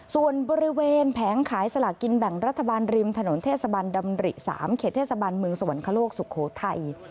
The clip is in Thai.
ส่วนบริเวณแผงขายสลากินแบ่งรัฐบาลริมถนนเทศบันดำริ๓เขตเทศบาลเมืองสวรรคโลกสุโขทัย